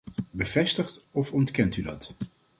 Bevestigt of ontkent u dat?